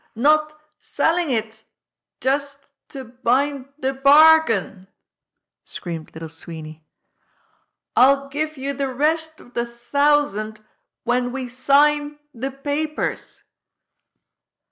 "Not selling it, just to bind the bargain," screamed 52 MOTHER MARGOT 53 Little Sweeney. "I'll give you the rest of the thousand when we sign the papers."